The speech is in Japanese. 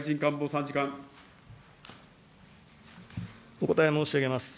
お答え申し上げます。